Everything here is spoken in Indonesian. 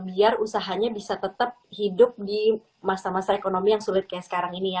biar usahanya bisa tetap hidup di masa masa ekonomi yang sulit kayak sekarang ini ya